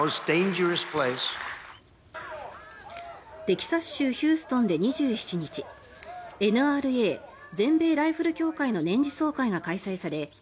テキサス州ヒューストンで２７日ＮＲＡ・全米ライフル協会の年次総会が開催され